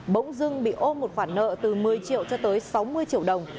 bỗng dưng bị ôm một khoản nợ từ một mươi triệu cho tới sáu mươi triệu đồng